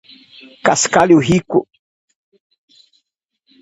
Cascalho Rico